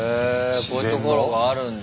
こういうところがあるんだ。